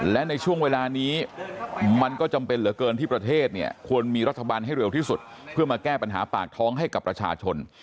และในช่วงเวลานี้มันก็จำเป็นเหลือเกินที่ประเทศเนี่ยควรมีรัฐบาลให้เร็วที่สุดเพื่อมาแก้ปัญหาปากท้องให้กับประชาชน